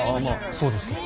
そうですけど。